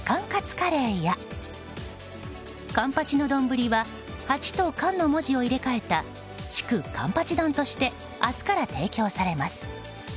カレーやカンパチの丼は八と冠の文字を入れ替えた祝冠八丼として明日から提供されます。